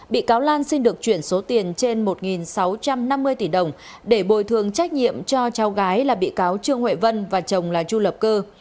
bị cáo lan xin được chuyển số tiền trên một sáu trăm năm mươi tỷ đồng để bồi thường trách nhiệm cho cháu gái là bị cáo trương huệ vân và chồng là chu lập cơ